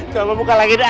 coba buka lagi dah